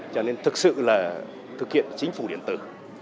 cho nên thực sự là thực hiện chính phủ điện tử